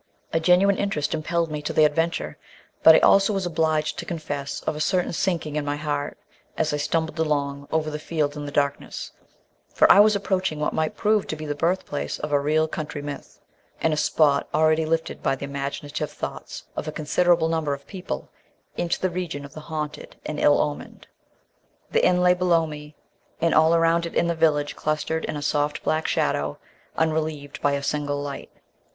A genuine interest impelled me to the adventure, but I also was obliged to confess to a certain sinking in my heart as I stumbled along over the field in the darkness, for I was approaching what might prove to be the birth place of a real country myth, and a spot already lifted by the imaginative thoughts of a considerable number of people into the region of the haunted and ill omened. The inn lay below me, and all round it the village clustered in a soft black shadow unrelieved by a single light.